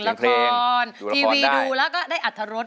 ละครทีวีดูแล้วก็ได้อัตรรส